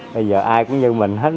bây giờ ai cũng như mình hết